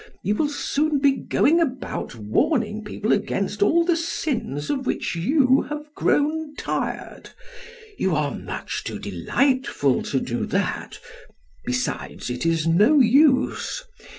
You will soon be going about warning people against all the sins of which you have grown tired. You are much too delightful to do that. Besides, it is no use.